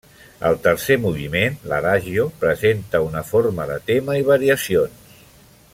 El tercer moviment, l'adagio, presenta una forma de tema i variacions.